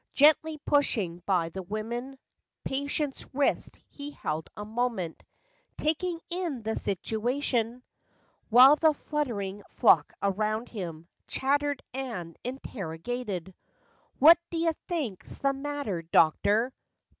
Gently pushing by the women, Patient's wrist he held a moment, "Taking in the situation," While the fluttering flock around him Chattered and interrogated. " What d'you think's the matter, doctor?